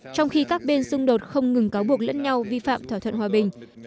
trong khi các bên xung đột không ngừng cáo buộc lẫn nhau vi phạm thỏa thuận hòa bình